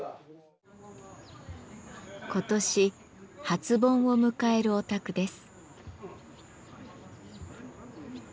今年初盆を迎えるお宅です。